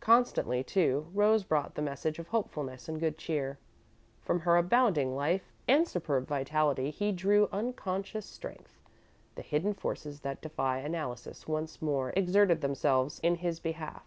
Constantly, too, Rose brought the message of hopefulness and good cheer. From her abounding life and superb vitality he drew unconscious strength; the hidden forces that defy analysis once more exerted themselves in his behalf.